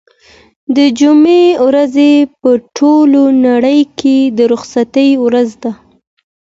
د جمعې ورځ په ټوله نړۍ کې د رخصتۍ ورځ ده.